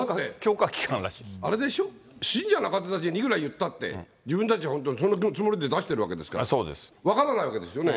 あれでしょ、信者の方たちにいくら言ったって、自分たちはそのつもりで出してるわけですから、分からないわけですよね。